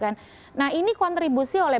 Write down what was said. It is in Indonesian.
nah ini kontribusi oleh